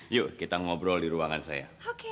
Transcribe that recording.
yuk kita ngobrol di ruangan saya